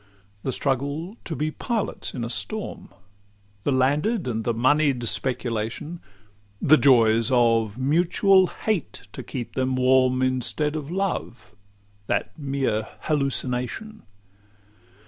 The struggle to be pilots in a storm? The landed and the monied speculation? The joys of mutual hate to keep them warm, Instead of love, that mere hallucination?